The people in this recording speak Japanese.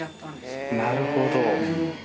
なるほど。